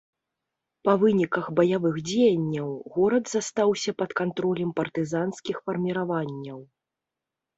Па выніках баявых дзеянняў горад застаўся пад кантролем партызанскіх фарміраванняў.